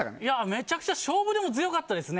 めちゃくちゃ勝負でも強かったですね。